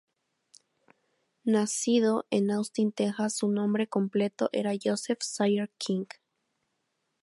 Nacido en Austin, Texas, su nombre completo era Joseph Sayer King.